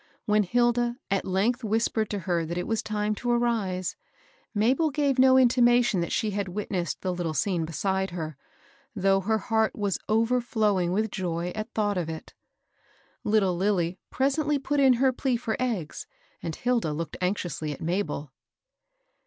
When Hilda at length whispered to her that it was time to arise, Mabel gave no intimation that she had witnessed the little scene beside her, though her heart was overflowing with joy at thought of it. Little Lilly presently put in her plea for eggs, and Hilda looked anxiously at Mabel.